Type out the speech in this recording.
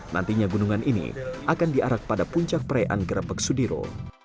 nantinya gunungan ini akan diarak pada puncak perayaan gerebek sudiro